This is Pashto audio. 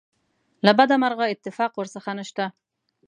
له بده مرغه اتفاق ورڅخه نشته.